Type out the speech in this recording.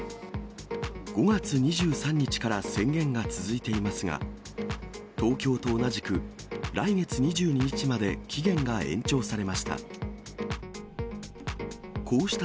５月２３日から宣言が続いていますが、東京と同じく、来月２２日まで期限が延長されました。